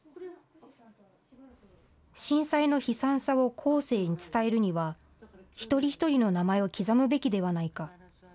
震災の悲惨さを後世に伝えるには、一人一人の名前を刻むべきではないか。